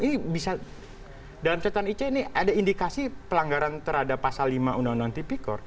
ini bisa dalam catatan ic ini ada indikasi pelanggaran terhadap pasal lima undang undang tipikor